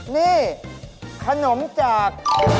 นี่ขนมจาก